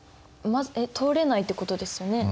通れないってことですよね。